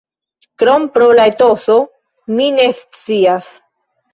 Krom pro la etoso, mi ne scias.